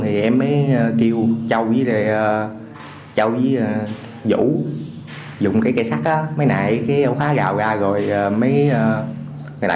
thì em mới kêu châu với vũ dùng cái cây sắt mới nãy cái ổ khóa gạo ra